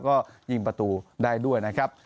ก็ยิงประตูได้ด้วยนะครับ